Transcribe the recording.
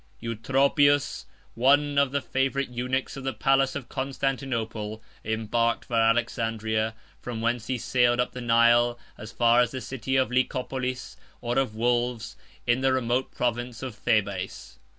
Eutropius, one of the favorite eunuchs of the palace of Constantinople, embarked for Alexandria, from whence he sailed up the Nile, as far as the city of Lycopolis, or of Wolves, in the remote province of Thebais.